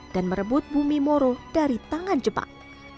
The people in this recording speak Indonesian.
dan merebut bumi moro dari tangan jepang